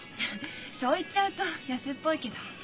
そう言っちゃうと安っぽいけど。